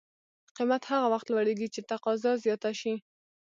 قیمت هغه وخت لوړېږي چې تقاضا زیاته شي.